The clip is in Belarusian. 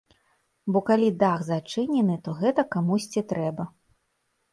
Бо калі дах зачынены, то гэта камусьці трэба.